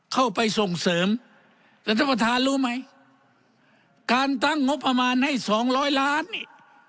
เข้าไปส่งเสริมแต่ท่านประธานรู้ไหมการตั้งงบประมาณให้สองร้อยล้านนี่